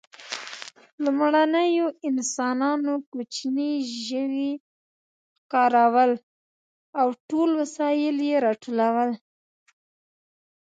لومړنیو انسانانو کوچني ژوي ښکارول او ټول وسایل یې راټولول.